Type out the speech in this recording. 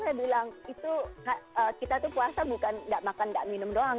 mereka bilang itu kita tuh puasa bukan gak makan gak minum doang